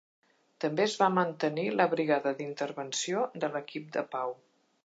També es va mantenir la brigada d'intervenció de l'equip de pau.